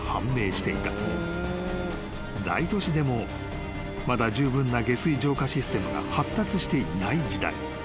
［大都市でもまだ十分な下水浄化システムが発達していない時代］